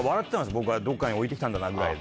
僕はどっかに置いて来たんだぐらいで。